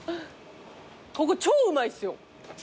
ここ超うまいっすよ。